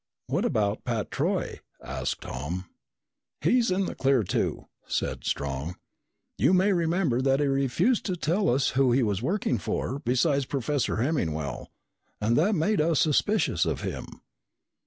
"What about Pat Troy?" asked Tom. "He's in the clear, too," said Strong. "You may remember that he refused to tell us who he was working for besides Professor Hemmingwell and that made us suspicious of him.